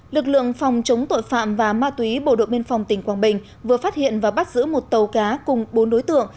lực lượng phòng chống tội phạm và ma túy bộ đội biên phòng tỉnh quảng bình vừa phát hiện và bắt giữ một tàu cá cùng bốn đối tượng